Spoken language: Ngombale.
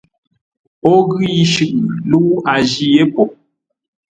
O ghʉ yi shʉʼʉ, lə́u a jî yé po.